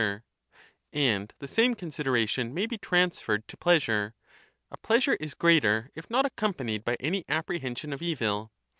xvii sviii the same consideration may be transferred to plea sure : a pleasure is greater if not accompuiiied by any ) appreliension of evil.